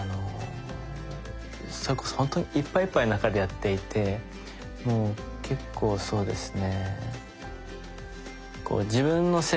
それこそほんとにいっぱいいっぱいの中でやっていて結構そうですね